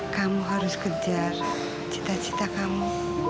kamu harus kejar cita cita kamu